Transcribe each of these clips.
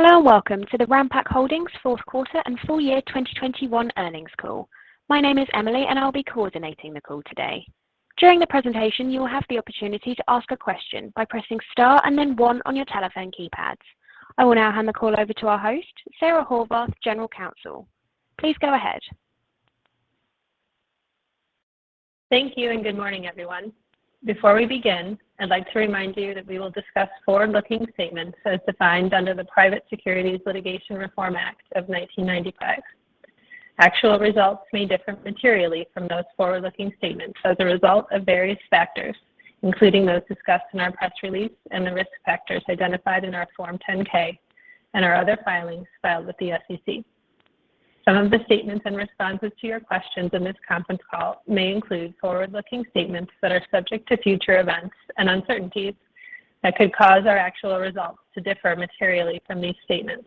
Hello, welcome to the Ranpak Holdings Fourth Quarter and Full Year 2021 Earnings Call. My name is Emily and I'll be coordinating the call today. During the presentation, you will have the opportunity to ask a question by pressing star and then one on your telephone keypads. I will now hand the call over to our host, Sara Horvath, General Counsel. Please go ahead. Thank you and good morning, everyone. Before we begin, I'd like to remind you that we will discuss forward-looking statements as defined under the Private Securities Litigation Reform Act of 1995. Actual results may differ materially from those forward-looking statements as a result of various factors, including those discussed in our press release and the risk factors identified in our Form 10-K and our other filings filed with the SEC. Some of the statements in responses to your questions in this conference call may include forward-looking statements that are subject to future events and uncertainties that could cause our actual results to differ materially from these statements.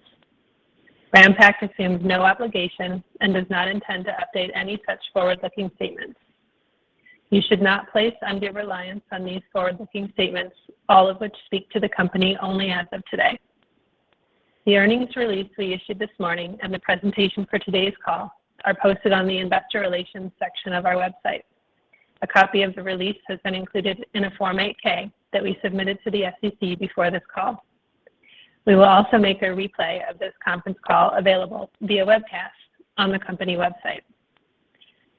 Ranpak assumes no obligation and does not intend to update any such forward-looking statements. You should not place undue reliance on these forward-looking statements, all of which speak to the company only as of today. The earnings release we issued this morning and the presentation for today's call are posted on the investor relations section of our website. A copy of the release has been included in a Form 8-K that we submitted to the SEC before this call. We will also make a replay of this conference call available via webcast on the company website.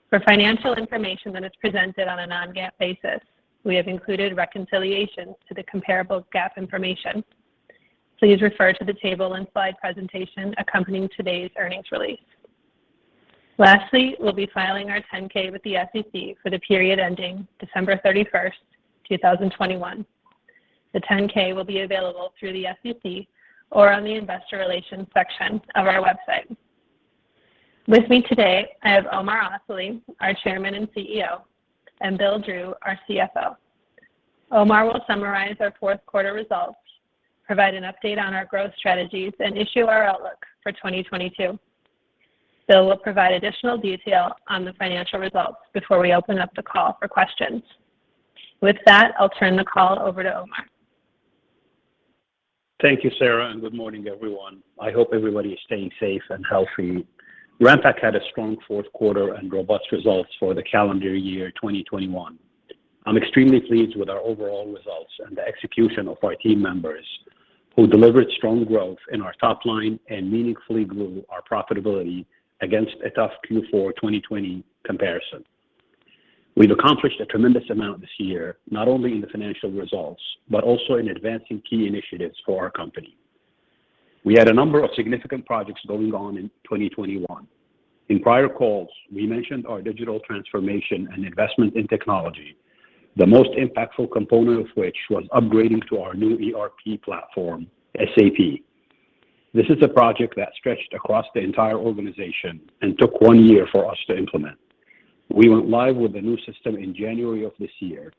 For financial information that is presented on a non-GAAP basis, we have included reconciliation to the comparable GAAP information. Please refer to the table and slide presentation accompanying today's earnings release. Lastly, we'll be filing our 10-K with the SEC for the period ending December 31, 2021. The 10-K will be available through the SEC or on the investor relations section of our website. With me today, I have Omar Asali, our Chairman and CEO, and Bill Drew, our CFO. Omar will summarize our fourth quarter results, provide an update on our growth strategies, and issue our outlook for 2022. Bill will provide additional detail on the financial results before we open up the call for questions. With that, I'll turn the call over to Omar. Thank you, Sara, and good morning, everyone. I hope everybody is staying safe and healthy. Ranpak had a strong fourth quarter and robust results for the calendar year 2021. I'm extremely pleased with our overall results and the execution of our team members who delivered strong growth in our top line and meaningfully grew our profitability against a tough Q4 2020 comparison. We've accomplished a tremendous amount this year, not only in the financial results, but also in advancing key initiatives for our company. We had a number of significant projects going on in 2021. In prior calls, we mentioned our digital transformation and investment in technology, the most impactful component of which was upgrading to our new ERP platform, SAP. This is a project that stretched across the entire organization and took one year for us to implement. We went live with the new system in January of this year,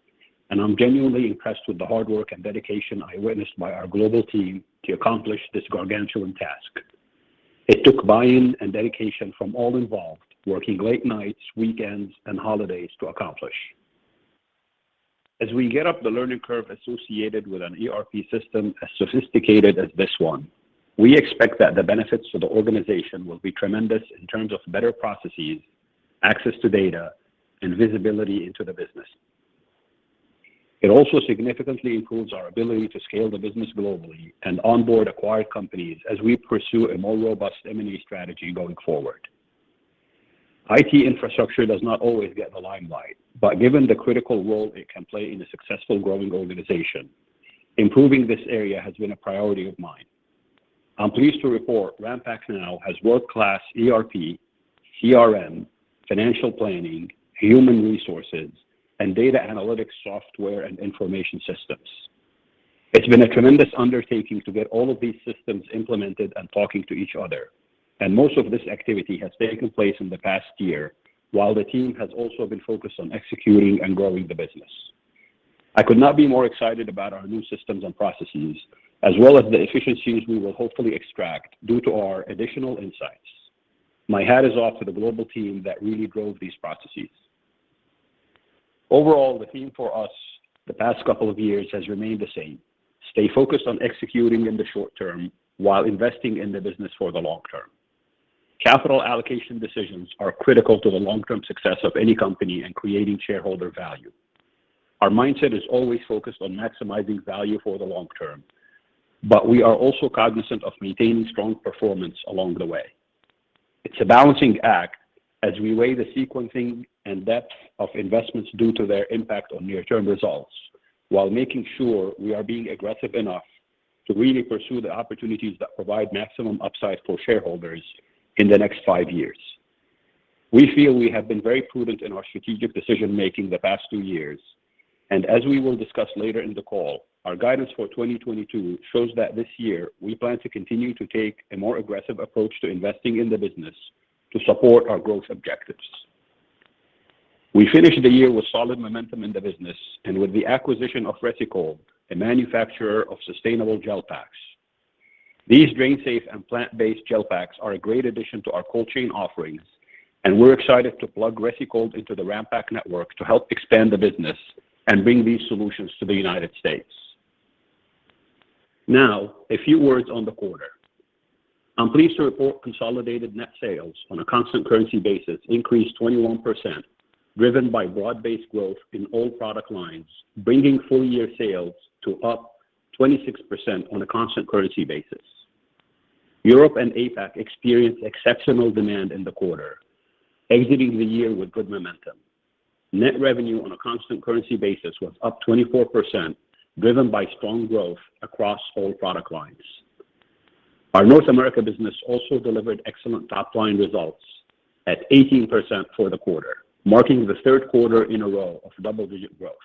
and I'm genuinely impressed with the hard work and dedication I witnessed by our global team to accomplish this gargantuan task. It took buy-in and dedication from all involved, working late nights, weekends, and holidays to accomplish. As we get up the learning curve associated with an ERP system as sophisticated as this one, we expect that the benefits to the organization will be tremendous in terms of better processes, access to data, and visibility into the business. It also significantly improves our ability to scale the business globally and onboard acquired companies as we pursue a more robust M&A strategy going forward. IT infrastructure does not always get the limelight, but given the critical role it can play in a successful growing organization, improving this area has been a priority of mine. I'm pleased to report Ranpak now has world-class ERP, CRM, financial planning, human resources, and data analytics software and information systems. It's been a tremendous undertaking to get all of these systems implemented and talking to each other, and most of this activity has taken place in the past year while the team has also been focused on executing and growing the business. I could not be more excited about our new systems and processes as well as the efficiencies we will hopefully extract due to our additional insights. My hat is off to the global team that really drove these processes. Overall, the theme for us the past couple of years has remained the same. Stay focused on executing in the short term while investing in the business for the long term. Capital allocation decisions are critical to the long-term success of any company and creating shareholder value. Our mindset is always focused on maximizing value for the long term, but we are also cognizant of maintaining strong performance along the way. It's a balancing act as we weigh the sequencing and depth of investments due to their impact on near-term results while making sure we are being aggressive enough to really pursue the opportunities that provide maximum upside for shareholders in the next five years. We feel we have been very prudent in our strategic decision-making the past two years, and as we will discuss later in the call, our guidance for 2022 shows that this year we plan to continue to take a more aggressive approach to investing in the business to support our growth objectives. We finished the year with solid momentum in the business and with the acquisition of RecyCold, a manufacturer of sustainable gel packs. These drain-safe and plant-based gel packs are a great addition to our cold chain offerings. We're excited to plug RecyCold into the Ranpak network to help expand the business and bring these solutions to the United States. Now, a few words on the quarter. I'm pleased to report consolidated net sales on a constant currency basis increased 21%, driven by broad-based growth in all product lines, bringing full year sales to up 26% on a constant currency basis. Europe and APAC experienced exceptional demand in the quarter, exiting the year with good momentum. Net revenue on a constant currency basis was up 24%, driven by strong growth across all product lines. Our North America business also delivered excellent top-line results at 18% for the quarter, marking the third quarter in a row of double-digit growth.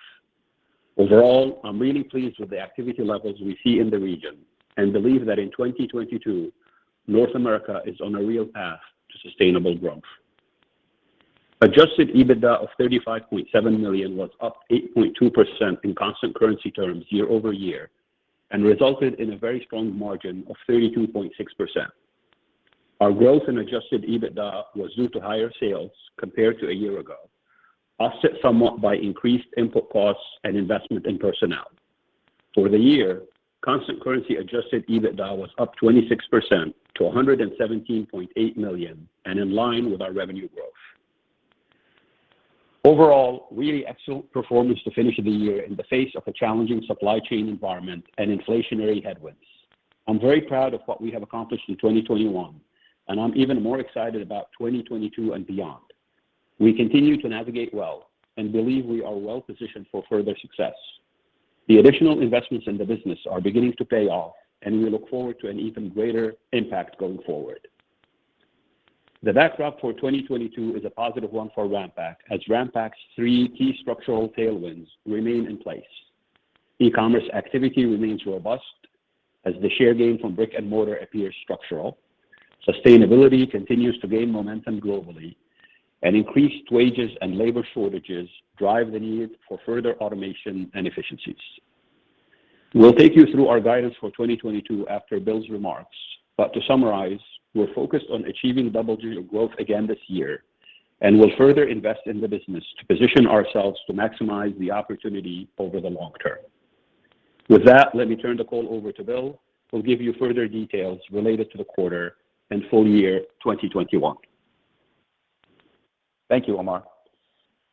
Overall, I'm really pleased with the activity levels we see in the region and believe that in 2022, North America is on a real path to sustainable growth. Adjusted EBITDA of $35.7 million was up 8.2% in constant currency terms year-over-year and resulted in a very strong margin of 32.6%. Our growth in adjusted EBITDA was due to higher sales compared to a year ago, offset somewhat by increased input costs and investment in personnel. For the year, constant currency adjusted EBITDA was up 26% to $117.8 million and in line with our revenue growth. Overall, really excellent performance to finish the year in the face of a challenging supply chain environment and inflationary headwinds. I'm very proud of what we have accomplished in 2021, and I'm even more excited about 2022 and beyond. We continue to navigate well and believe we are well-positioned for further success. The additional investments in the business are beginning to pay off, and we look forward to an even greater impact going forward. The backdrop for 2022 is a positive one for Ranpak as Ranpak's three key structural tailwinds remain in place. E-commerce activity remains robust as the share gain from brick and mortar appears structural. Sustainability continues to gain momentum globally, and increased wages and labor shortages drive the need for further automation and efficiencies. We'll take you through our guidance for 2022 after Bill's remarks. To summarize, we're focused on achieving double-digit growth again this year, and we'll further invest in the business to position ourselves to maximize the opportunity over the long term. With that, let me turn the call over to Bill, who'll give you further details related to the quarter and full year 2021. Thank you, Omar.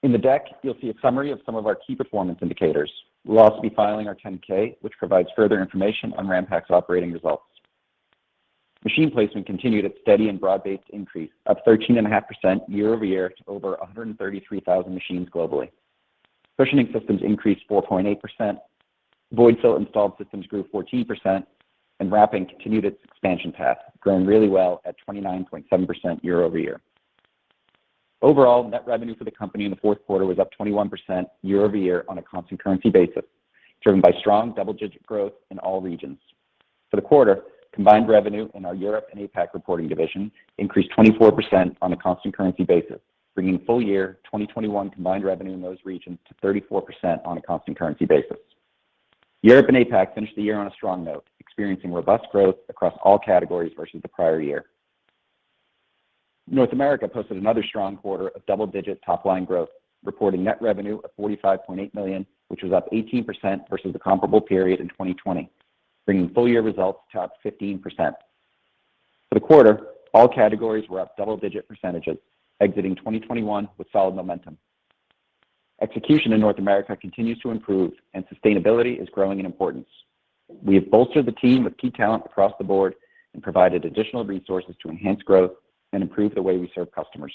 In the deck, you'll see a summary of some of our key performance indicators. We'll also be filing our 10-K, which provides further information on Ranpak's operating results. Machine placement continued its steady and broad-based increase, up 13.5% year-over-year to over 133,000 machines globally. Cushioning systems increased 4.8%. Void fill installed systems grew 14%, and wrapping continued its expansion path, growing really well at 29.7% year-over-year. Overall, net revenue for the company in the fourth quarter was up 21% year-over-year on a constant currency basis, driven by strong double-digit growth in all regions. For the quarter, combined revenue in our Europe and APAC reporting division increased 24% on a constant currency basis, bringing full year 2021 combined revenue in those regions to 34% on a constant currency basis. Europe and APAC finished the year on a strong note, experiencing robust growth across all categories versus the prior year. North America posted another strong quarter of double-digit top line growth, reporting net revenue of $45.8 million, which was up 18% versus the comparable period in 2020, bringing full year results to up 15%. For the quarter, all categories were up double-digit percentages, exiting 2021 with solid momentum. Execution in North America continues to improve, and sustainability is growing in importance. We have bolstered the team with key talent across the board and provided additional resources to enhance growth and improve the way we serve customers.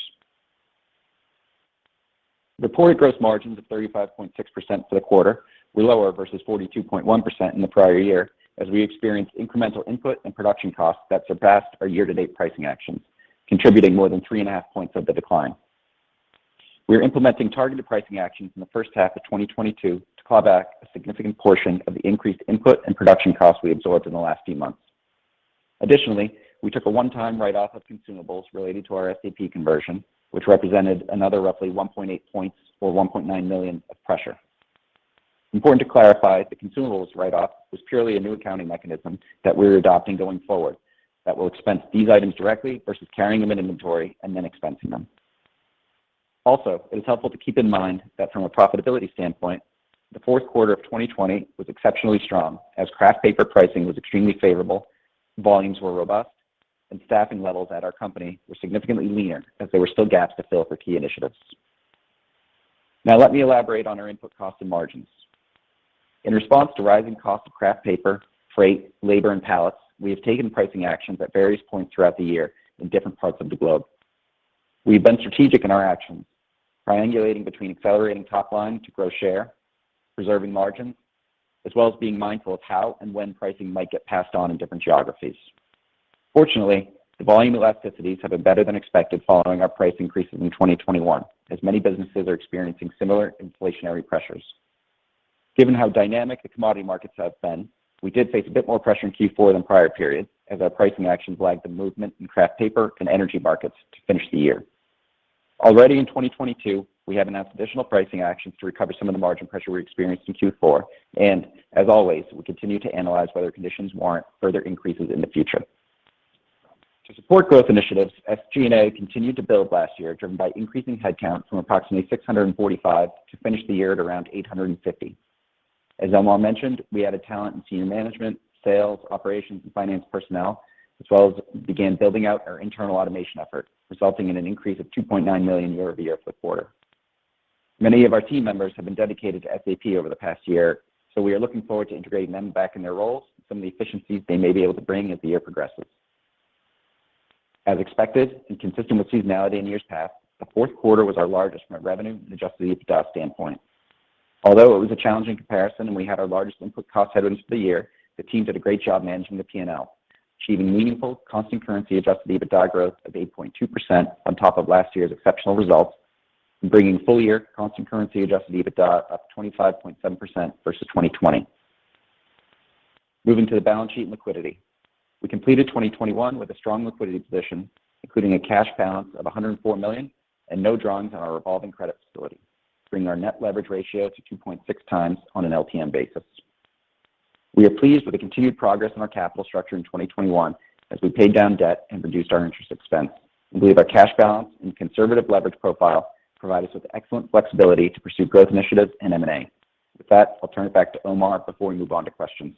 Reported gross margins of 35.6% for the quarter were lower versus 42.1% in the prior year, as we experienced incremental input and production costs that surpassed our year-to-date pricing actions, contributing more than 3.5 points of the decline. We are implementing targeted pricing actions in the first half of 2022 to claw back a significant portion of the increased input and production costs we absorbed in the last few months. Additionally, we took a one-time write-off of consumables related to our SAP conversion, which represented another roughly 1.8 points or $1.9 million of pressure. Important to clarify, the consumables write-off was purely a new accounting mechanism that we're adopting going forward that will expense these items directly versus carrying them in inventory and then expensing them. It is helpful to keep in mind that from a profitability standpoint, the fourth quarter of 2020 was exceptionally strong as kraft paper pricing was extremely favorable, volumes were robust, and staffing levels at our company were significantly leaner as there were still gaps to fill for key initiatives. Now, let me elaborate on our input costs and margins. In response to rising cost of kraft paper, freight, labor, and pallets, we have taken pricing actions at various points throughout the year in different parts of the globe. We've been strategic in our actions, triangulating between accelerating top line to grow share, preserving margins, as well as being mindful of how and when pricing might get passed on in different geographies. Fortunately, the volume elasticities have been better than expected following our price increases in 2021, as many businesses are experiencing similar inflationary pressures. Given how dynamic the commodity markets have been, we did face a bit more pressure in Q4 than prior periods as our pricing actions lagged the movement in kraft paper and energy markets to finish the year. Already in 2022, we have announced additional pricing actions to recover some of the margin pressure we experienced in Q4. As always, we continue to analyze whether conditions warrant further increases in the future. To support growth initiatives, SG&A continued to build last year, driven by increasing headcount from approximately 645 to finish the year at around 850. As Omar mentioned, we added talent in senior management, sales, operations, and finance personnel, as well as began building out our internal automation effort, resulting in an increase of $2.9 million year-over-year for the quarter. Many of our team members have been dedicated to SAP over the past year, so we are looking forward to integrating them back in their roles and some of the efficiencies they may be able to bring as the year progresses. As expected and consistent with seasonality in years past, the fourth quarter was our largest from a revenue and Adjusted EBITDA standpoint. Although it was a challenging comparison and we had our largest input cost headwinds for the year, the team did a great job managing the P&L, achieving meaningful constant currency Adjusted EBITDA growth of 8.2% on top of last year's exceptional results and bringing full-year constant currency Adjusted EBITDA up 25.7% versus 2020. Moving to the balance sheet and liquidity. We completed 2021 with a strong liquidity position, including a cash balance of $104 million and no drawings on our revolving credit facility, bringing our net leverage ratio to 2.6x on an LTM basis. We are pleased with the continued progress on our capital structure in 2021 as we paid down debt and reduced our interest expense. We believe our cash balance and conservative leverage profile provide us with excellent flexibility to pursue growth initiatives and M&A. With that, I'll turn it back to Omar before we move on to questions.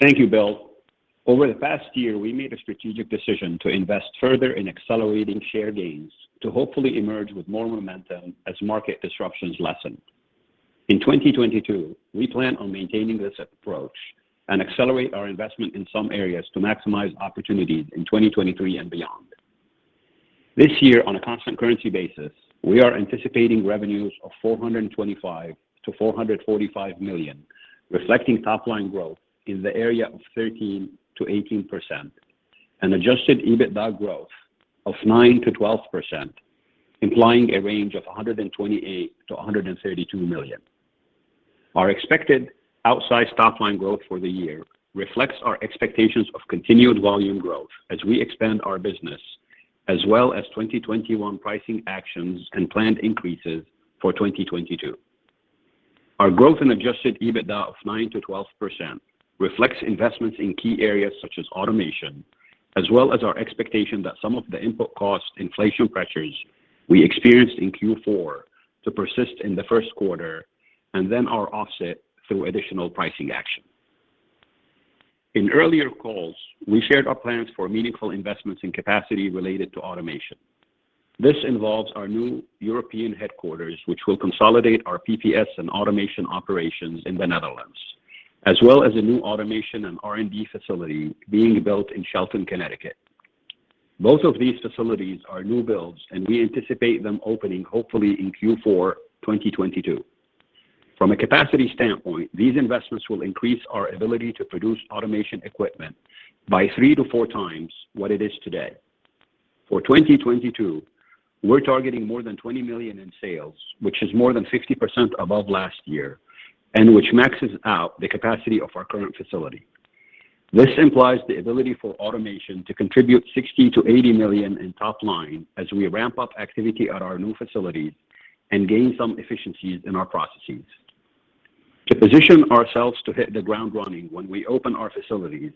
Thank you, Bill. Over the past year, we made a strategic decision to invest further in accelerating share gains to hopefully emerge with more momentum as market disruptions lessen. In 2022, we plan on maintaining this approach and accelerate our investment in some areas to maximize opportunities in 2023 and beyond. This year, on a constant currency basis, we are anticipating revenues of $425 million-$445 million, reflecting top-line growth in the area of 13%-18% and Adjusted EBITDA growth of 9%-12%, implying a range of $128 million-$132 million. Our expected outsized top-line growth for the year reflects our expectations of continued volume growth as we expand our business, as well as 2021 pricing actions and planned increases for 2022. Our growth in Adjusted EBITDA of 9%-12% reflects investments in key areas such as automation, as well as our expectation that some of the input cost inflation pressures we experienced in Q4 will persist in the first quarter and then will be offset through additional pricing action. In earlier calls, we shared our plans for meaningful investments in capacity related to automation. This involves our new European headquarters, which will consolidate our PPS and automation operations in the Netherlands, as well as a new automation and R&D facility being built in Shelton, Connecticut. Both of these facilities are new builds, and we anticipate them opening hopefully in Q4 2022. From a capacity standpoint, these investments will increase our ability to produce automation equipment by 3-4 times what it is today. For 2022, we're targeting more than $20 million in sales, which is more than 60% above last year and which maxes out the capacity of our current facility. This implies the ability for automation to contribute $60 million-$80 million in top line as we ramp up activity at our new facilities and gain some efficiencies in our processes. To position ourselves to hit the ground running when we open our facilities,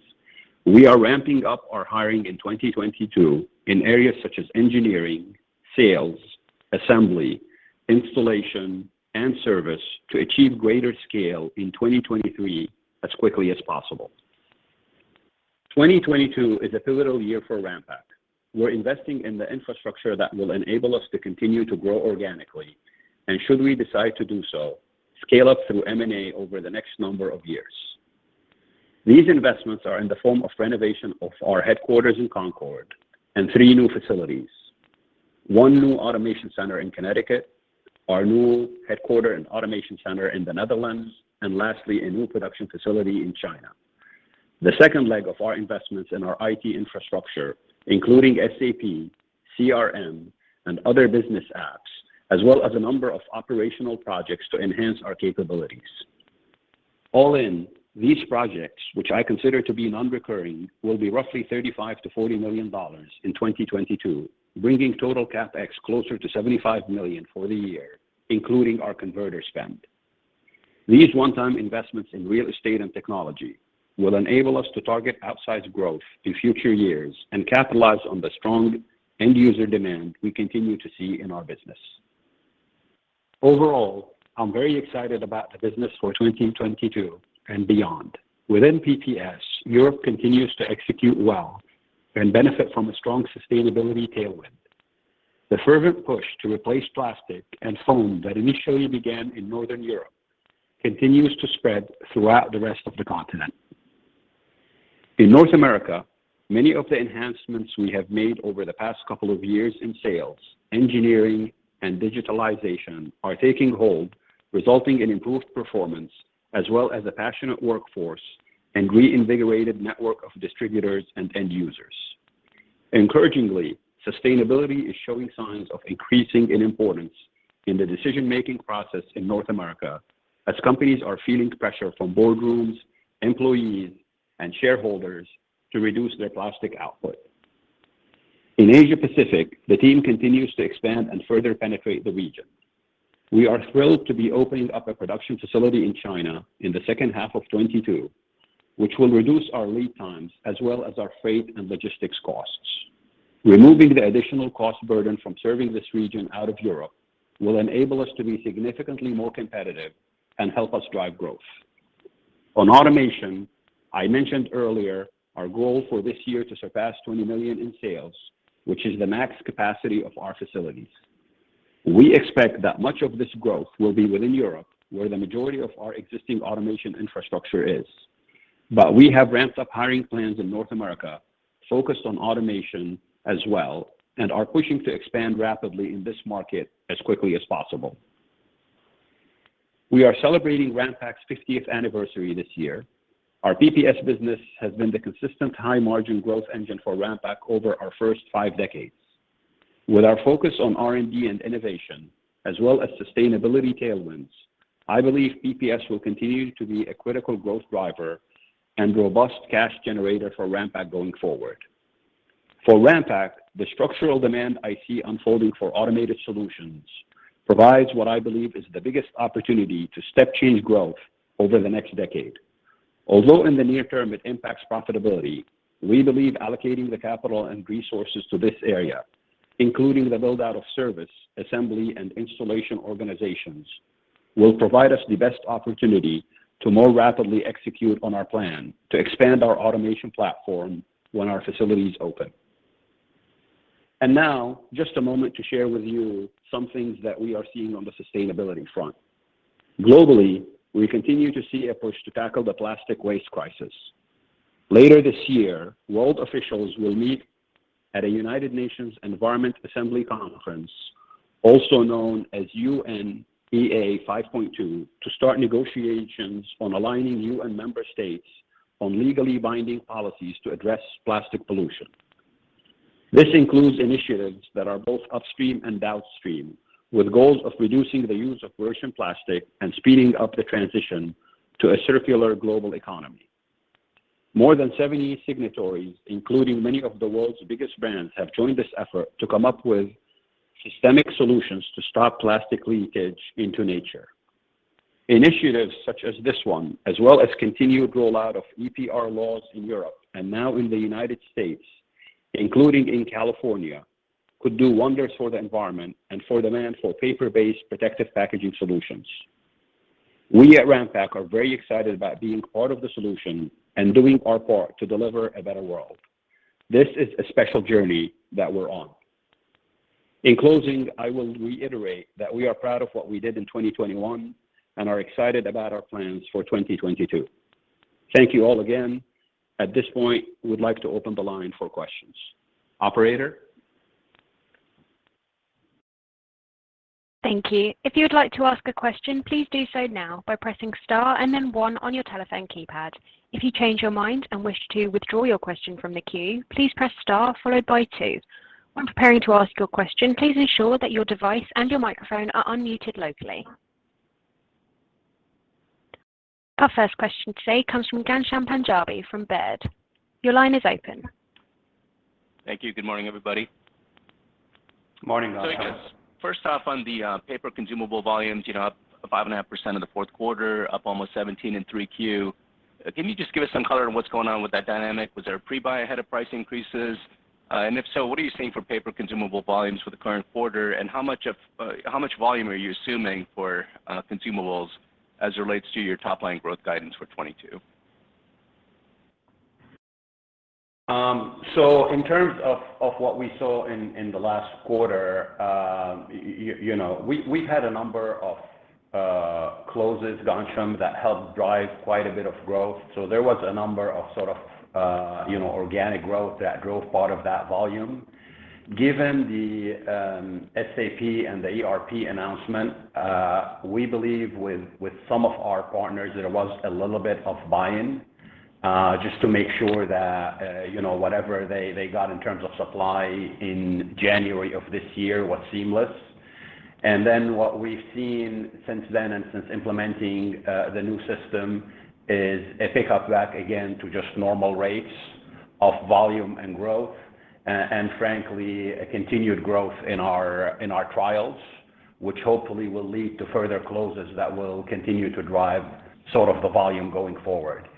we are ramping up our hiring in 2022 in areas such as engineering, sales, assembly, installation, and service to achieve greater scale in 2023 as quickly as possible. 2022 is a pivotal year for Ranpak. We're investing in the infrastructure that will enable us to continue to grow organically, and should we decide to do so, scale up through M&A over the next number of years. These investments are in the form of renovation of our headquarters in Concord and three new facilities. One new automation center in Connecticut, our new headquarters and automation center in the Netherlands, and lastly, a new production facility in China. The second leg of our investments in our IT infrastructure, including SAP, CRM, and other business apps, as well as a number of operational projects to enhance our capabilities. All in, these projects, which I consider to be non-recurring, will be roughly $35 million-$40 million in 2022, bringing total CapEx closer to $75 million for the year, including our converter spend. These one-time investments in real estate and technology will enable us to target outsized growth in future years and capitalize on the strong end-user demand we continue to see in our business. Overall, I'm very excited about the business for 2022 and beyond. Within PPS, Europe continues to execute well and benefit from a strong sustainability tailwind. The fervent push to replace plastic and foam that initially began in Northern Europe continues to spread throughout the rest of the continent. In North America, many of the enhancements we have made over the past couple of years in sales, engineering, and digitalization are taking hold, resulting in improved performance as well as a passionate workforce and reinvigorated network of distributors and end users. Encouragingly, sustainability is showing signs of increasing in importance in the decision-making process in North America as companies are feeling pressure from boardrooms, employees, and shareholders to reduce their plastic output. In Asia Pacific, the team continues to expand and further penetrate the region. We are thrilled to be opening up a production facility in China in the second half of 2022, which will reduce our lead times as well as our freight and logistics costs. Removing the additional cost burden from serving this region out of Europe will enable us to be significantly more competitive and help us drive growth. On automation, I mentioned earlier our goal for this year to surpass $20 million in sales, which is the max capacity of our facilities. We expect that much of this growth will be within Europe, where the majority of our existing automation infrastructure is. We have ramped up hiring plans in North America focused on automation as well, and are pushing to expand rapidly in this market as quickly as possible. We are celebrating Ranpak's 50th anniversary this year. Our PPS business has been the consistent high margin growth engine for Ranpak over our first five decades. With our focus on R&D and innovation as well as sustainability tailwinds, I believe PPS will continue to be a critical growth driver and robust cash generator for Ranpak going forward. For Ranpak, the structural demand I see unfolding for automated solutions provides what I believe is the biggest opportunity to step-change growth over the next decade. Although in the near term it impacts profitability, we believe allocating the capital and resources to this area, including the build-out of service, assembly, and installation organizations, will provide us the best opportunity to more rapidly execute on our plan to expand our automation platform when our facilities open. Now, just a moment to share with you some things that we are seeing on the sustainability front. Globally, we continue to see a push to tackle the plastic waste crisis. Later this year, world officials will meet at a United Nations Environment Assembly Conference, also known as UNEA 5.2, to start negotiations on aligning UN member states on legally binding policies to address plastic pollution. This includes initiatives that are both upstream and downstream, with goals of reducing the use of virgin plastic and speeding up the transition to a circular global economy. More than 70 signatories, including many of the world's biggest brands, have joined this effort to come up with systemic solutions to stop plastic leakage into nature. Initiatives such as this one, as well as continued rollout of EPR laws in Europe and now in the United States, including in California, could do wonders for the environment and for demand for paper-based protective packaging solutions. We at Ranpak are very excited about being part of the solution and doing our part to deliver a better world. This is a special journey that we're on. In closing, I will reiterate that we are proud of what we did in 2021 and are excited about our plans for 2022. Thank you all again. At this point, we'd like to open the line for questions. Operator? Thank you. If you would like to ask a question, please do so now by pressing star and then one on your telephone keypad. If you change your mind and wish to withdraw your question from the queue, please press star followed by two. When preparing to ask your question, please ensure that your device and your microphone are unmuted locally. Our first question today comes from Ghansham Panjabi from Baird. Your line is open. Thank you. Good morning, everybody. Good morning, Ghansham. I guess first off, on the paper consumable volumes, you know, up 5.5% in the fourth quarter, up almost 17% in 3Q. Can you just give us some color on what's going on with that dynamic? Was there a pre-buy ahead of price increases? And if so, what are you seeing for paper consumable volumes for the current quarter, and how much volume are you assuming for consumables as it relates to your top-line growth guidance for 2022? In terms of what we saw in the last quarter, you know, we've had a number of closes, Ghansham, that helped drive quite a bit of growth. There was a number of sort of, you know, organic growth that drove part of that volume. Given the SAP and the ERP announcement, we believe with some of our partners that it was a little bit of buy-in, just to make sure that, you know, whatever they got in terms of supply in January of this year was seamless. What we've seen since then and since implementing the new system is a pick-up back again to just normal rates of volume and growth and frankly a continued growth in our trials, which hopefully will lead to further closes that will continue to drive sort of the volume going forward.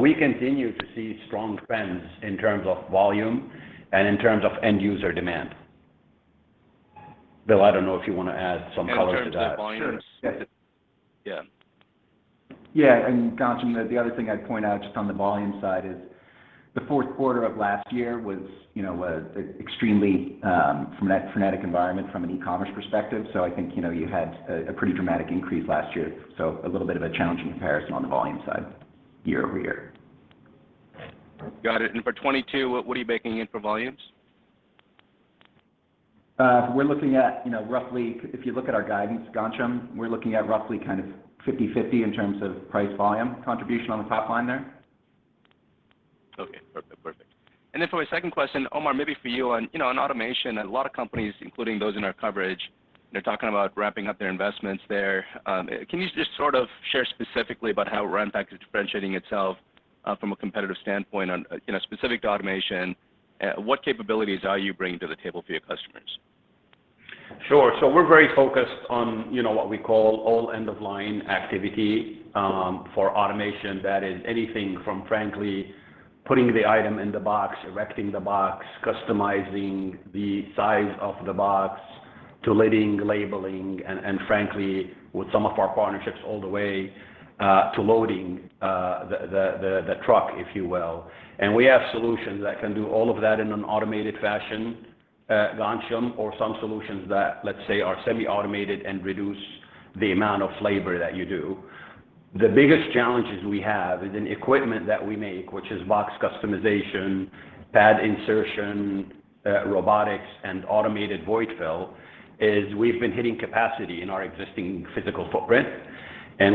We continue to see strong trends in terms of volume and in terms of end user demand. Bill, I don't know if you want to add some color to that. In terms of volumes. Sure. Yeah. Yeah. Ghansham, the other thing I'd point out just on the volume side is the fourth quarter of last year was, you know, an extremely frenetic environment from an e-commerce perspective. I think, you know, you had a pretty dramatic increase last year. A little bit of a challenging comparison on the volume side year-over-year. Got it. For 2022, what are you baking in for volumes? If you look at our guidance, Ghansham, we're looking at roughly kind of 50/50 in terms of price volume contribution on the top line there. Okay. Perfect. For my second question, Omar, maybe for you on, you know, on automation, a lot of companies, including those in our coverage, they're talking about ramping up their investments there. Can you just sort of share specifically about how Ranpak is differentiating itself? From a competitive standpoint on, you know, specific to automation, what capabilities are you bringing to the table for your customers? Sure. We're very focused on, you know, what we call all end-of-line activity for automation. That is anything from frankly putting the item in the box, erecting the box, customizing the size of the box to labeling and frankly, with some of our partnerships, all the way to loading the truck, if you will. We have solutions that can do all of that in an automated fashion, Ghansham, or some solutions that, let's say, are semi-automated and reduce the amount of labor that you do. The biggest challenges we have is in equipment that we make, which is box customization, pad insertion, robotics, and automated void fill, is we've been hitting capacity in our existing physical footprint.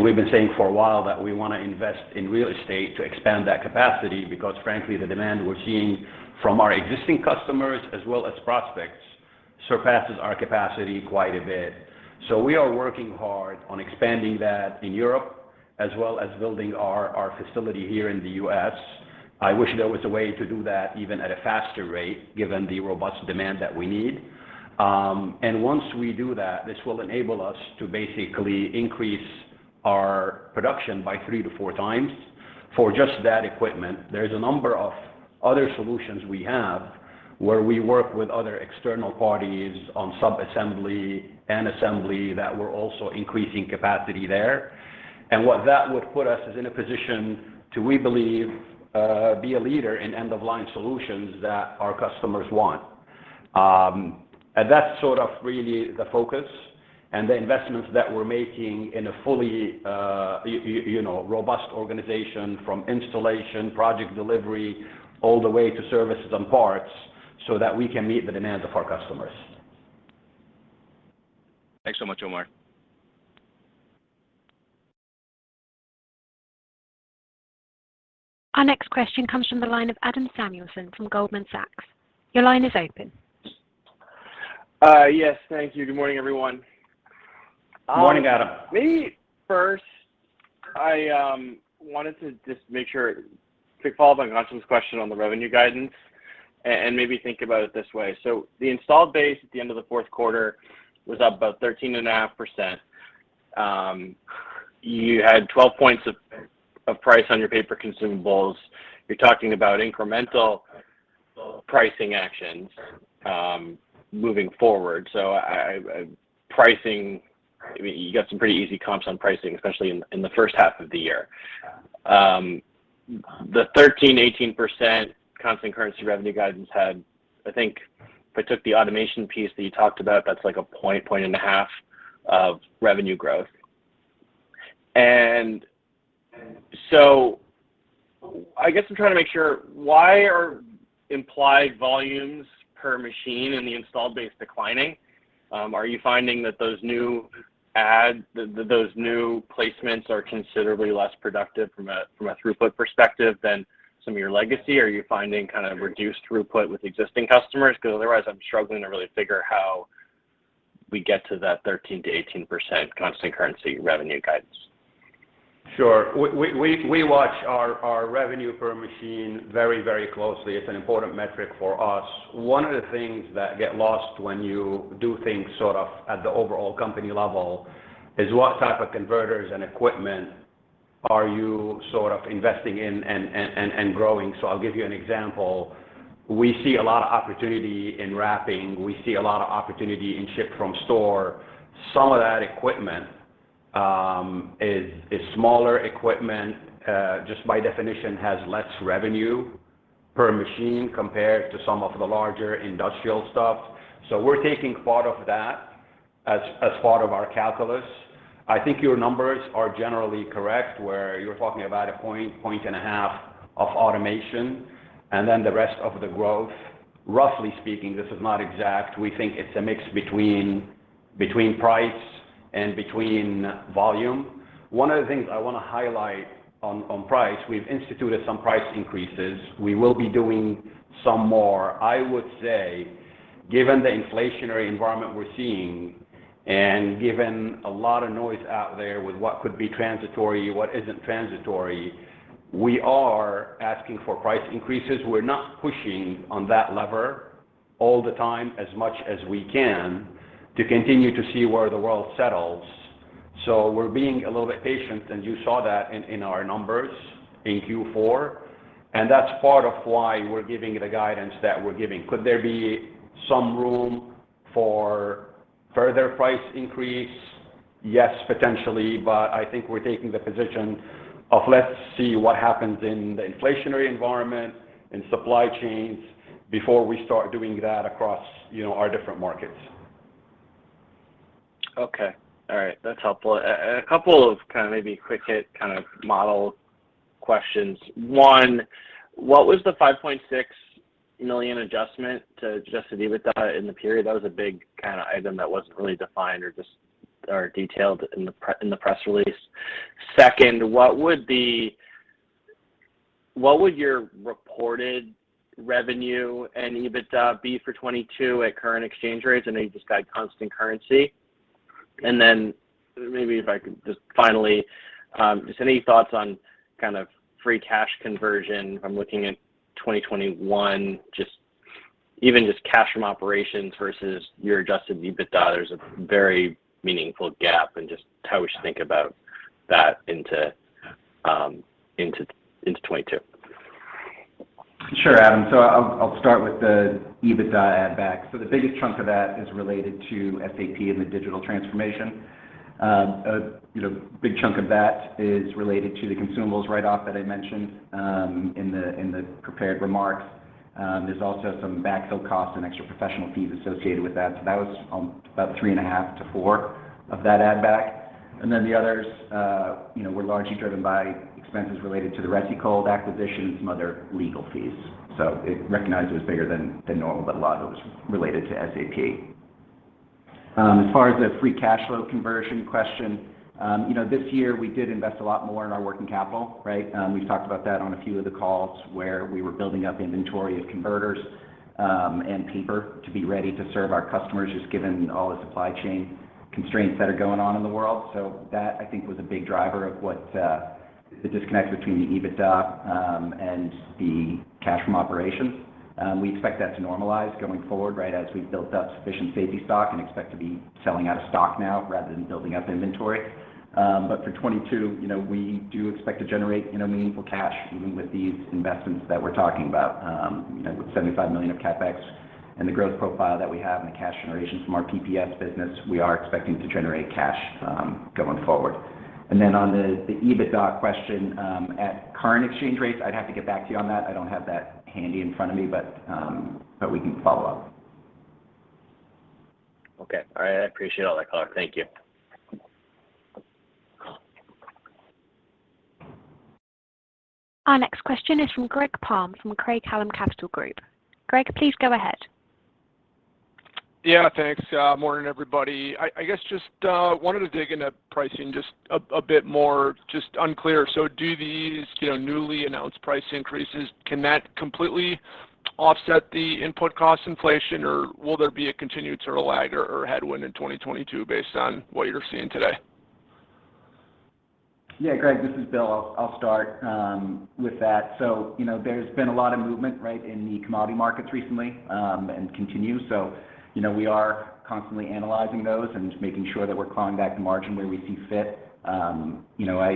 We've been saying for a while that we wanna invest in real estate to expand that capacity because frankly, the demand we're seeing from our existing customers as well as prospects surpasses our capacity quite a bit. We are working hard on expanding that in Europe as well as building our facility here in the U.S. I wish there was a way to do that even at a faster rate, given the robust demand that we need. Once we do that, this will enable us to basically increase our production by 3-4 times for just that equipment. There's a number of other solutions we have where we work with other external parties on sub-assembly and assembly that we're also increasing capacity there. What that would put us is in a position to, we believe, be a leader in end-of-line solutions that our customers want. That's sort of really the focus and the investments that we're making in a fully you know, robust organization from installation, project delivery, all the way to services and parts so that we can meet the demands of our customers. Thanks so much, Omar. Our next question comes from the line of Adam Samuelson from Goldman Sachs. Your line is open. Yes, thank you. Good morning, everyone. Good morning, Adam. Maybe first, I wanted to just make sure to follow on Ghansham's question on the revenue guidance and maybe think about it this way. The installed base at the end of the fourth quarter was up about 13.5%. You had 12 points of price on your paper consumables. You're talking about incremental pricing actions moving forward. Pricing, I mean, you got some pretty easy comps on pricing, especially in the first half of the year. The 13%-18% constant currency revenue guidance had, I think if I took the automation piece that you talked about, that's like a point to 1.5 points of revenue growth. I guess I'm trying to make sure why are implied volumes per machine in the installed base declining? Are you finding that those new ads, those new placements are considerably less productive from a throughput perspective than some of your legacy? Are you finding kind of reduced throughput with existing customers? Because otherwise I'm struggling to really figure how we get to that 13%-18% constant currency revenue guidance. Sure. We watch our revenue per machine very closely. It's an important metric for us. One of the things that get lost when you do things sort of at the overall company level is what type of converters and equipment are you sort of investing in and growing. I'll give you an example. We see a lot of opportunity in Wrapping. We see a lot of opportunity in ship from store. Some of that equipment is smaller equipment just by definition has less revenue per machine compared to some of the larger industrial stuff. We're taking part of that as part of our calculus. I think your numbers are generally correct, where you're talking about a point and a half of automation, and then the rest of the growth. Roughly speaking, this is not exact. We think it's a mix between price and volume. One of the things I wanna highlight on price, we've instituted some price increases. We will be doing some more. I would say, given the inflationary environment we're seeing, and given a lot of noise out there with what could be transitory, what isn't transitory, we are asking for price increases. We're not pushing on that lever all the time as much as we can to continue to see where the world settles. We're being a little bit patient, and you saw that in our numbers in Q4, and that's part of why we're giving the guidance that we're giving. Could there be some room for further price increase? Yes, potentially. I think we're taking the position of, let's see what happens in the inflationary environment and supply chains before we start doing that across, you know, our different markets. Okay. All right. That's helpful. A couple of kind of maybe quick hit kind of model questions. One, what was the $5.6 million adjustment to Adjusted EBITDA in the period? That was a big kind of item that wasn't really defined or detailed in the press release. Second, what would your reported revenue and EBITDA be for 2022 at current exchange rates? I know you just got constant currency. Then maybe if I could just finally, just any thoughts on kind of free cash conversion from looking at 2021, just cash from operations versus your Adjusted EBITDA, there's a very meaningful gap and just how we should think about that into 2022. Sure, Adam. I'll start with the EBITDA add back. The biggest chunk of that is related to SAP and the digital transformation. A big chunk of that is related to the consumables write-off that I mentioned in the prepared remarks. There's also some backfill costs and extra professional fees associated with that. That was about $3.5-$4 of that add back. The others were largely driven by expenses related to the RecyCold acquisition and some other legal fees. It was bigger than normal, but a lot of it was related to SAP. As far as the free cash flow conversion question, this year we did invest a lot more in our working capital, right? We've talked about that on a few of the calls where we were building up inventory of converters, and paper to be ready to serve our customers, just given all the supply chain constraints that are going on in the world. That I think was a big driver of what, the disconnect between the EBITDA, and the cash from operations. We expect that to normalize going forward, right, as we've built up sufficient safety stock and expect to be selling out of stock now rather than building up inventory. For 2022, you know, we do expect to generate, you know, meaningful cash even with these investments that we're talking about, you know, with $75 million of CapEx and the growth profile that we have and the cash generation from our PPS business, we are expecting to generate cash going forward. On the EBITDA question, at current exchange rates, I'd have to get back to you on that. I don't have that handy in front of me, but we can follow up. Okay. All right. I appreciate all that color. Thank you. Our next question is from Greg Palm from Craig-Hallum Capital Group. Greg, please go ahead. Yeah, thanks. Morning, everybody. I guess just wanted to dig into pricing just a bit more. It's just unclear. Do these newly announced price increases, you know, can that completely offset the input cost inflation, or will there be a continued sort of lag or headwind in 2022 based on what you're seeing today? Yeah, Greg, this is Bill. I'll start with that. You know, there's been a lot of movement, right, in the commodity markets recently. You know, we are constantly analyzing those and just making sure that we're clawing back the margin where we see fit. You know,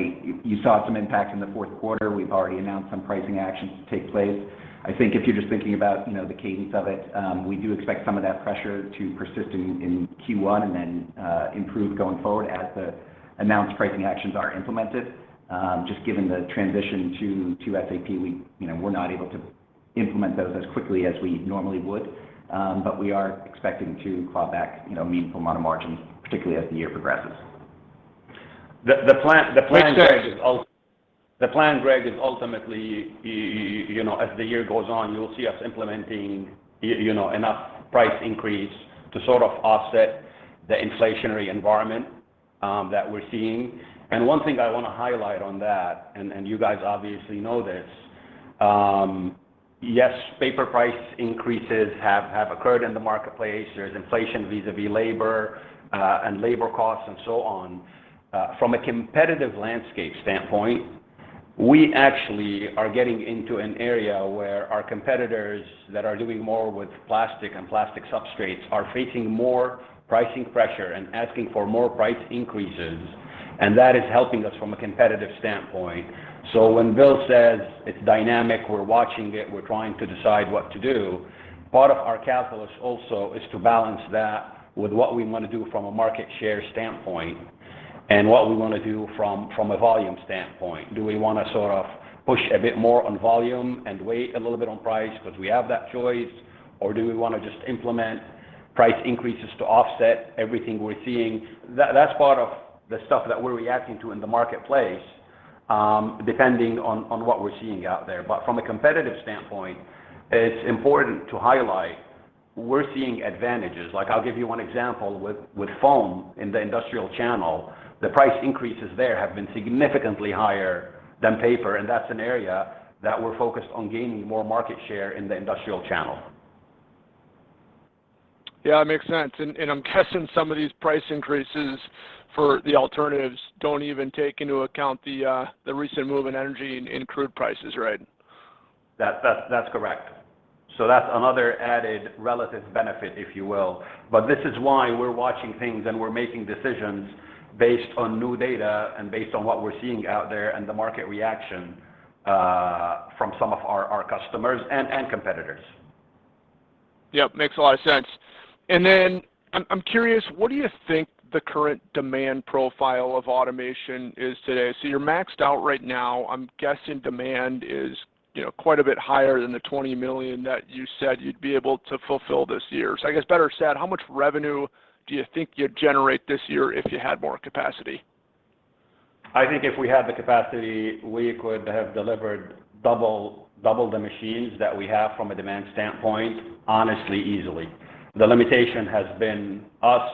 you saw some impact in the fourth quarter. We've already announced some pricing actions to take place. I think if you're just thinking about, you know, the cadence of it, we do expect some of that pressure to persist in Q1 and then improve going forward as the announced pricing actions are implemented. Just given the transition to SAP, we, you know, we're not able to implement those as quickly as we normally would. We are expecting to claw back, you know, a meaningful amount of margin, particularly as the year progresses. The plan, Greg, is ultimately you know, as the year goes on, you'll see us implementing you know, enough price increase to sort of offset the inflationary environment that we're seeing. One thing I wanna highlight on that, and you guys obviously know this, yes, paper price increases have occurred in the marketplace. There's inflation vis-à-vis labor and labor costs and so on. From a competitive landscape standpoint, we actually are getting into an area where our competitors that are doing more with plastic and plastic substrates are facing more pricing pressure and asking for more price increases, and that is helping us from a competitive standpoint. When Bill says it's dynamic, we're watching it, we're trying to decide what to do, part of our calculus also is to balance that with what we wanna do from a market share standpoint and what we wanna do from a volume standpoint. Do we wanna sort of push a bit more on volume and wait a little bit on price because we have that choice, or do we wanna just implement price increases to offset everything we're seeing? That's part of the stuff that we're reacting to in the marketplace, depending on what we're seeing out there. But from a competitive standpoint, it's important to highlight we're seeing advantages. Like I'll give you one example with foam in the industrial channel. The price increases there have been significantly higher than paper, and that's an area that we're focused on gaining more market share in the industrial channel. Yeah, it makes sense. I'm guessing some of these price increases for the alternatives don't even take into account the recent move in energy and in crude prices, right? That's correct. That's another added relative benefit, if you will. This is why we're watching things, and we're making decisions based on new data and based on what we're seeing out there and the market reaction from some of our customers and competitors. Yep. Makes a lot of sense. I'm curious, what do you think the current demand profile of automation is today? You're maxed out right now. I'm guessing demand is, you know, quite a bit higher than the $20 million that you said you'd be able to fulfill this year. I guess better said, how much revenue do you think you'd generate this year if you had more capacity? I think if we had the capacity, we could have delivered double the machines that we have from a demand standpoint, honestly, easily. The limitation has been us,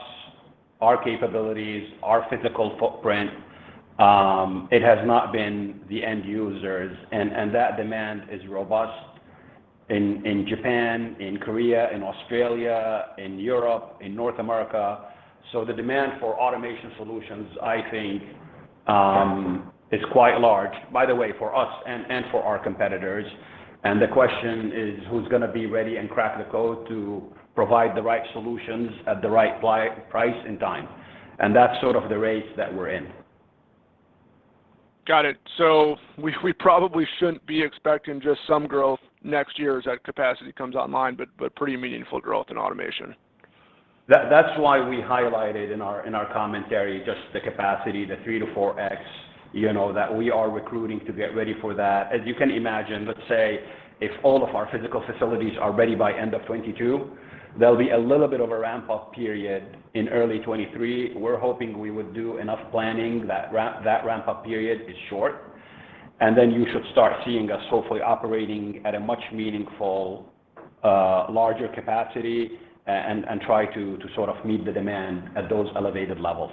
our capabilities, our physical footprint. It has not been the end users. That demand is robust. In Japan, in Korea, in Australia, in Europe, in North America. The demand for automation solutions, I think, is quite large, by the way, for us and for our competitors. The question is who's gonna be ready and crack the code to provide the right solutions at the right price and time? That's sort of the race that we're in. Got it. We probably shouldn't be expecting just some growth next year as that capacity comes online, but pretty meaningful growth in automation. That's why we highlighted in our commentary just the capacity, the 3-4x, you know, that we are recruiting to get ready for that. As you can imagine, let's say if all of our physical facilities are ready by end of 2022, there'll be a little bit of a ramp-up period in early 2023. We're hoping we would do enough planning that that ramp-up period is short, and then you should start seeing us hopefully operating at a much meaningful larger capacity and try to sort of meet the demand at those elevated levels.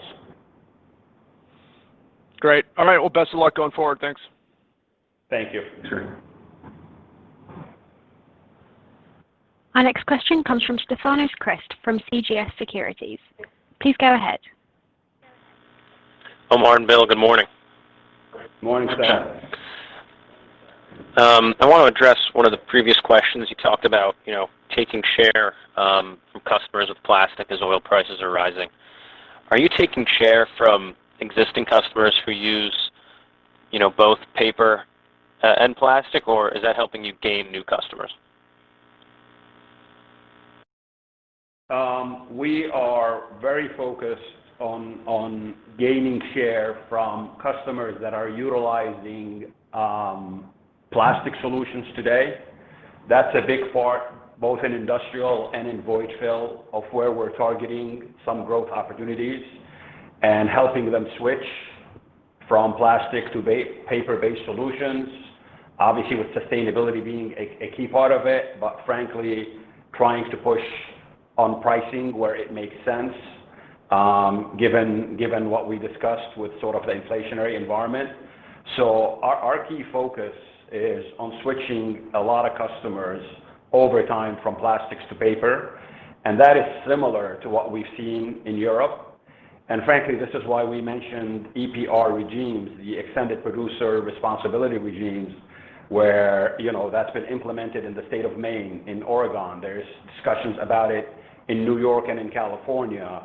Great. All right. Well, best of luck going forward. Thanks. Thank you. Sure. Our next question comes from Stefanos Crist from CJS Securities. Please go ahead. Omar and Bill, good morning. Morning, Stef. Morning. I wanna address one of the previous questions. You talked about, you know, taking share from customers with plastic as oil prices are rising. Are you taking share from existing customers who use, you know, both paper and plastic, or is that helping you gain new customers? We are very focused on gaining share from customers that are utilizing plastic solutions today. That's a big part, both in industrial and in void fill of where we're targeting some growth opportunities and helping them switch from plastic to paper-based solutions. Obviously with sustainability being a key part of it, but frankly trying to push on pricing where it makes sense, given what we discussed with sort of the inflationary environment. Our key focus is on switching a lot of customers over time from plastics to paper, and that is similar to what we've seen in Europe. Frankly, this is why we mentioned EPR regimes, the extended producer responsibility regimes where, you know, that's been implemented in the state of Maine, in Oregon. There's discussions about it in New York and in California.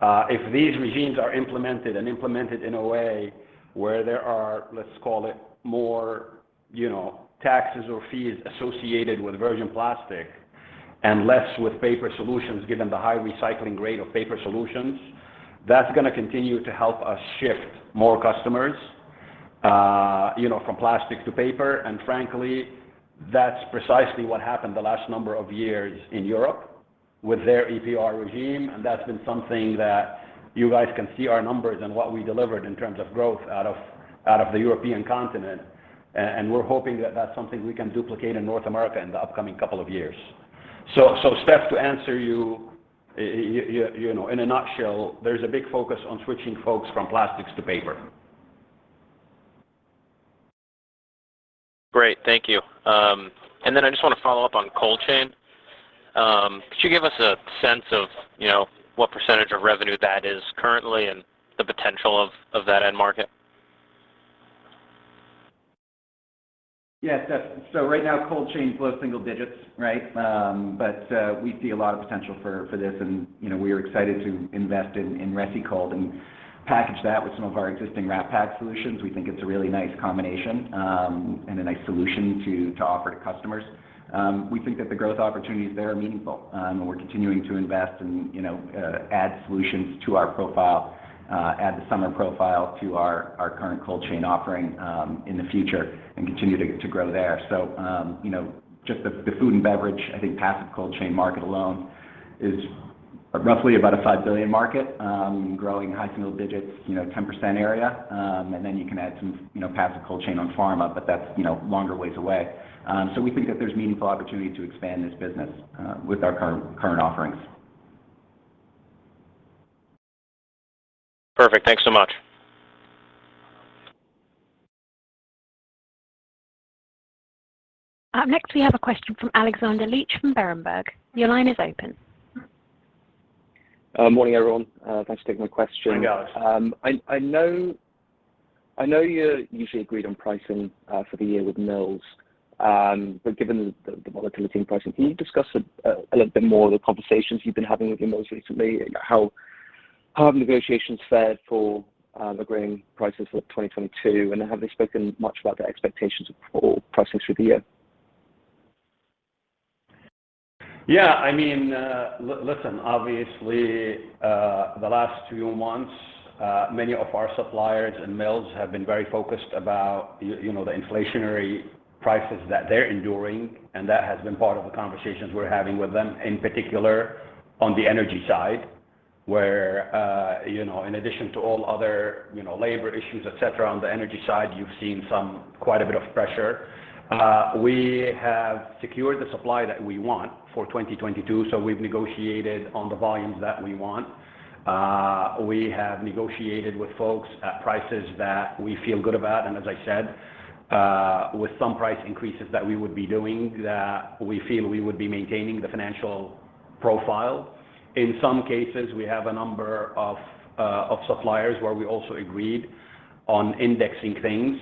If these regimes are implemented and implemented in a way where there are, let's call it more, you know, taxes or fees associated with virgin plastic and less with paper solutions, given the high recycling rate of paper solutions, that's gonna continue to help us shift more customers, you know, from plastic to paper. Frankly, that's precisely what happened the last number of years in Europe with their EPR regime. That's been something that you guys can see our numbers and what we delivered in terms of growth out of the European continent. We're hoping that that's something we can duplicate in North America in the upcoming couple of years. Stef, to answer you know, in a nutshell, there's a big focus on switching folks from plastics to paper. Great. Thank you. I just wanna follow up on cold chain. Could you give us a sense of, you know, what percentage of revenue that is currently and the potential of that end market? Yes, Stef. Right now, cold chain's low single digits, right? We see a lot of potential for this and, you know, we are excited to invest in RecyCold and package that with some of our existing WrapPak solutions. We think it's a really nice combination, and a nice solution to offer to customers. We think that the growth opportunities there are meaningful, and we're continuing to invest and, you know, add solutions to our portfolio, add the RecyCold to our current cold chain offering, in the future and continue to grow there. You know, just the food and beverage, I think passive cold chain market alone is roughly about a $5 billion market, growing high single digits, 10% area. You can add some, you know, passive cold chain on pharma, but that's, you know, longer ways away. We think that there's meaningful opportunity to expand this business with our current offerings. Perfect. Thanks so much. Up next, we have a question from Alexander Leach from Berenberg. Your line is open. Morning, everyone. Thanks for taking my question. I know you usually agreed on pricing for the year with mills, but given the volatility in pricing, can you discuss a little bit more of the conversations you've been having with your mills recently? How have negotiations fared for agreeing prices for 2022, and have they spoken much about their expectations for pricing through the year? Yeah. I mean, listen, obviously, the last few months, many of our suppliers and mills have been very focused about you know, the inflationary prices that they're enduring, and that has been part of the conversations we're having with them, in particular on the energy side, where, you know, in addition to all other, you know, labor issues, et cetera, on the energy side, you've seen quite a bit of pressure. We have secured the supply that we want for 2022, so we've negotiated on the volumes that we want. We have negotiated with folks at prices that we feel good about, and as I said, with some price increases that we would be doing, that we feel we would be maintaining the financial profile. In some cases, we have a number of suppliers where we also agreed on indexing things,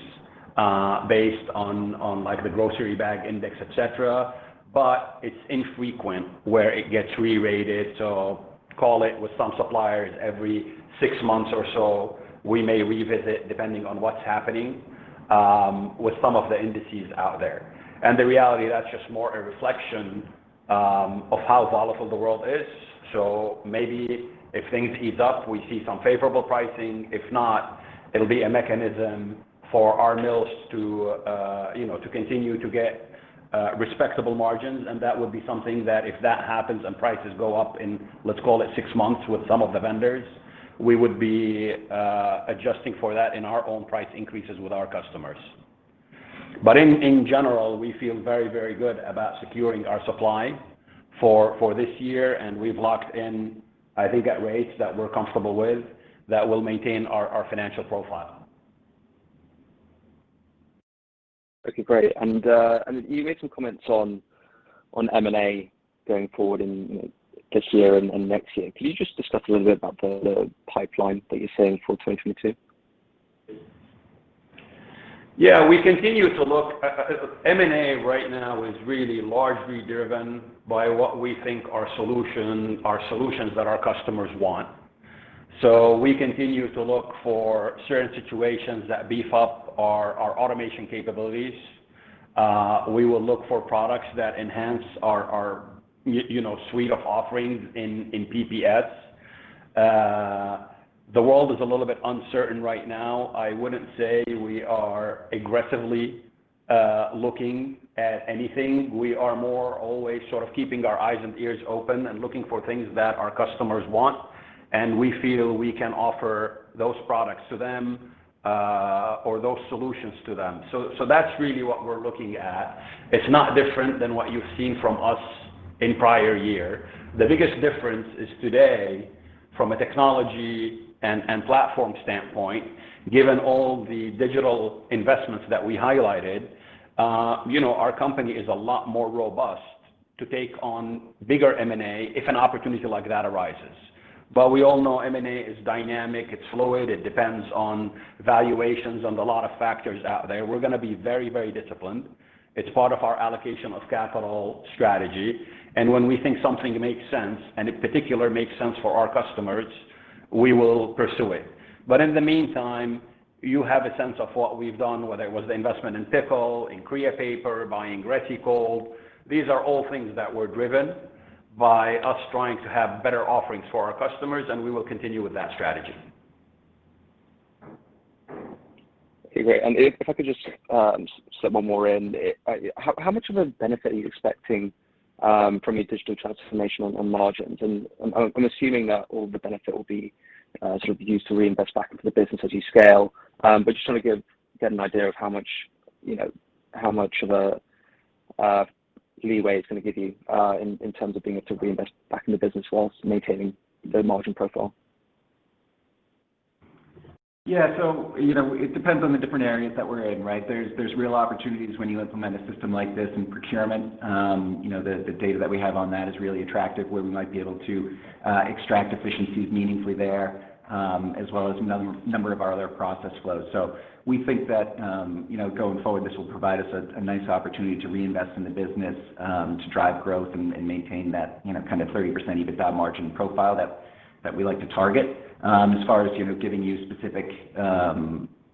based on, like, the grocery bag index, et cetera. It's infrequent where it gets re-rated. Call it with some suppliers every six months or so, we may revisit depending on what's happening with some of the indices out there. The reality, that's just more a reflection of how volatile the world is. Maybe if things heat up, we see some favorable pricing. If not, it'll be a mechanism for our mills to, you know, to continue to get respectable margins. That would be something that if that happens and prices go up in, let's call it six months with some of the vendors, we would be adjusting for that in our own price increases with our customers. In general, we feel very good about securing our supply for this year, and we've locked in, I think, at rates that we're comfortable with that will maintain our financial profile. Okay, great. You made some comments on M&A going forward in this year and next year. Can you just discuss a little bit about the pipeline that you're seeing for 2022? Yeah, we continue to look at M&A right now is really largely driven by what we think are solutions that our customers want. We continue to look for certain situations that beef up our automation capabilities. We will look for products that enhance our you know suite of offerings in PPS. The world is a little bit uncertain right now. I wouldn't say we are aggressively looking at anything. We are more always sort of keeping our eyes and ears open and looking for things that our customers want, and we feel we can offer those products to them or those solutions to them. That's really what we're looking at. It's not different than what you've seen from us in prior year. The biggest difference is today from a technology and platform standpoint, given all the digital investments that we highlighted, you know, our company is a lot more robust to take on bigger M&A if an opportunity like that arises. We all know M&A is dynamic, it's fluid. It depends on valuations and a lot of factors out there. We're gonna be very, very disciplined. It's part of our allocation of capital strategy. When we think something makes sense, and in particular makes sense for our customers, we will pursue it. In the meantime, you have a sense of what we've done, whether it was the investment in Pickle, in Creapaper, buying RecyCold. These are all things that were driven by us trying to have better offerings for our customers, and we will continue with that strategy. Okay, great. If I could just slip one more in. How much of a benefit are you expecting from your digital transformation on margins? I'm assuming that all the benefit will be sort of used to reinvest back into the business as you scale. Just trying to get an idea of how much, you know, how much of a leeway it's gonna give you in terms of being able to reinvest back in the business whilst maintaining the margin profile. Yeah. You know, it depends on the different areas that we're in, right? There's real opportunities when you implement a system like this in procurement. You know, the data that we have on that is really attractive, where we might be able to extract efficiencies meaningfully there, as well as number of our other process flows. We think that, you know, going forward, this will provide us a nice opportunity to reinvest in the business, to drive growth and maintain that, you know, kind of 30% EBITDA margin profile that we like to target. As far as, you know, giving you specific,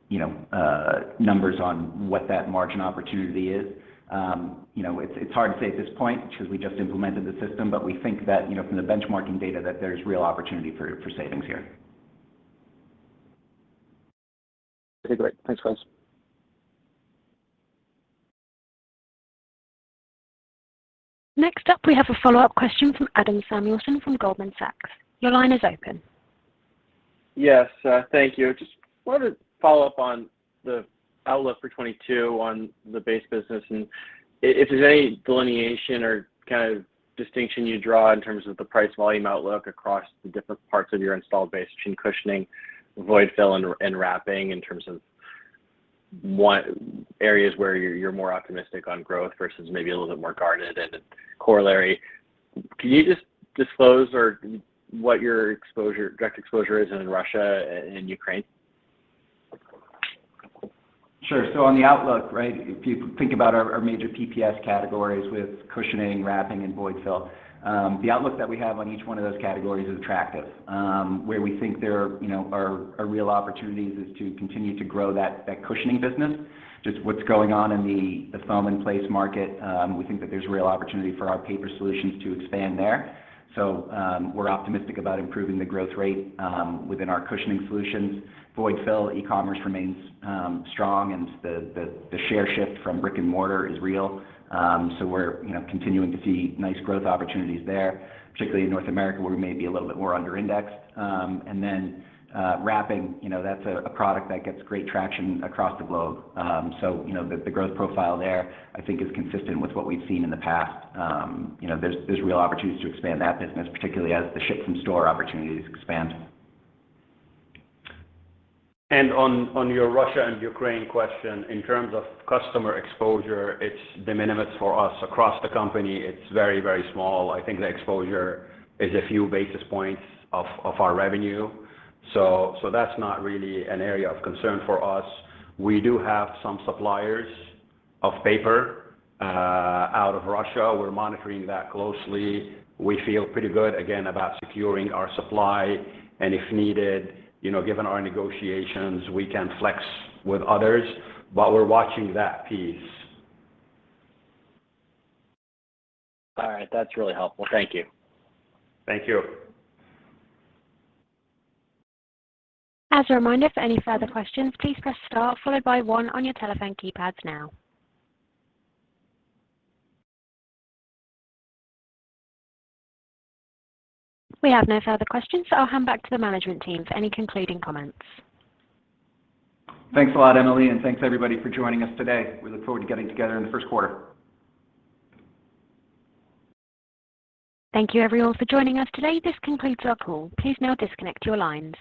you know, numbers on what that margin opportunity is, you know, it's hard to say at this point because we just implemented the system. We think that, you know, from the benchmarking data, that there's real opportunity for savings here. Okay, great. Thanks, guys. Next up, we have a follow-up question from Adam Samuelson from Goldman Sachs. Your line is open. Yes. Thank you. Just wanted to follow up on the outlook for 2022 on the base business, and if there's any delineation or kind of distinction you draw in terms of the price volume outlook across the different parts of your installed base between cushioning, void fill, and wrapping in terms of what areas where you're more optimistic on growth versus maybe a little bit more guarded. Then corollary, can you just disclose what your exposure, direct exposure is in Russia and Ukraine? Sure. On the outlook, right, if you think about our major PPS categories with cushioning, wrapping, and void fill, the outlook that we have on each one of those categories is attractive. Where we think there are, you know, real opportunities is to continue to grow that cushioning business. Just what's going on in the foam in place market, we think that there's real opportunity for our paper solutions to expand there. We're optimistic about improving the growth rate within our cushioning solutions. Void fill, e-commerce remains strong, and the share shift from brick and mortar is real. We're, you know, continuing to see nice growth opportunities there, particularly in North America, where we may be a little bit more under indexed. Wrapping, you know, that's a product that gets great traction across the globe. You know, the growth profile there I think is consistent with what we've seen in the past. You know, there's real opportunities to expand that business, particularly as the ship from store opportunities expand. On your Russia and Ukraine question, in terms of customer exposure, it's de minimis for us across the company. It's very, very small. I think the exposure is a few basis points of our revenue. So that's not really an area of concern for us. We do have some suppliers of paper out of Russia. We're monitoring that closely. We feel pretty good, again, about securing our supply. If needed, you know, given our negotiations, we can flex with others. We're watching that piece. All right. That's really helpful. Thank you. Thank you. As a reminder, for any further questions, please press star followed by one on your telephone keypads now. We have no further questions, so I'll hand back to the management team for any concluding comments. Thanks a lot, Emily, and thanks everybody for joining us today. We look forward to getting together in the first quarter. Thank you everyone for joining us today. This concludes our call. Please now disconnect your lines.